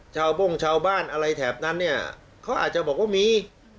โบ้งชาวบ้านอะไรแถบนั้นเนี่ยเขาอาจจะบอกว่ามี